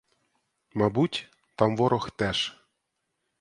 Мабуть, там ворог теж.